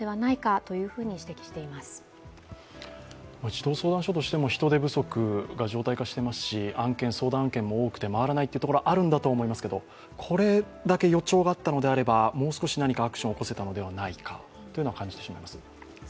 児童相談所としても人手不足が常態化していますし、相談案件も多くて回らないところがあるんだと思いますけどこれだけ予兆があったのであればもう少し何かアクションを起こせたのではないかとは感じてしまいます。